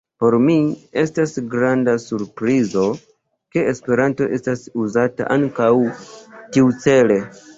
Por mi estis granda surprizo, ke Esperanto estas uzata ankaŭ tiucele.